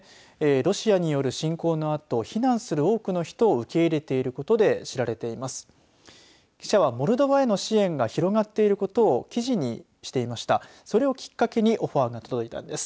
ロシアによる侵攻のあと避難する多くの人を受け入れていることで知られています。